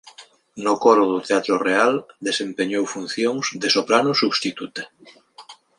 No coro do Teatro Real desempeñou funcións de soprano substituta.